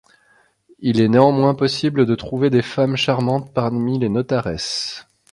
Il est néanmoins possible de trouver des femmes charmantes parmi les notaresses.